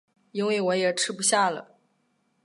因为我也吃不下了